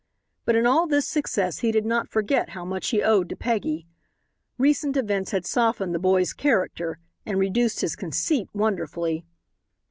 But in all this success he did not forget how much he owed to Peggy. Recent events had softened the boy's character and reduced his conceit wonderfully.